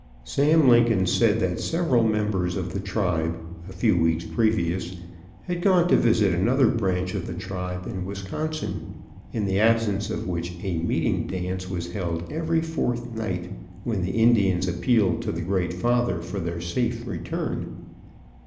Sam Lincoln said that several members of the tribe, a few weeks previous, had gone to visit another branch of the tribe in Wisconsin, in the absence of which a "meeting dance" was held every fourth night, when the Indians appealed to the Great Father for their safe return.